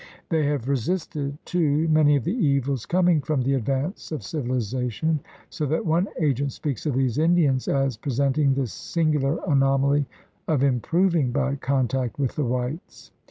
They have resisted, too, many of the evils coming from the advance of civilization, so that one agent speaks of these Indians as presenting the singular anomaly of improving by contact with the whites.